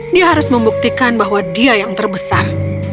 dia harus membuktikan bahwa dia yang terbesar